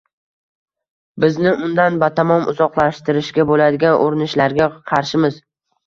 Bizni undan batamom uzoqlashtirishga bo‘ladigan urinishlarga qarshimiz.